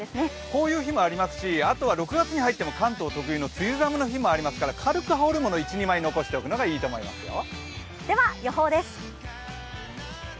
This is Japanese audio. こういう日もありますし、あとは６月に入っても関東特有の梅雨寒の日もありますし、軽く羽織るものを１２枚残しておくのがいいと思いますよ。